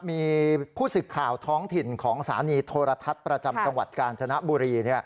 มีผู้สืบข่าวท้องถิ่นของสถานีโทรทัศน์ประจำจังหวัดกาญจนบุรี